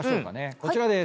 こちらです。